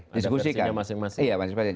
ada versinya masing masing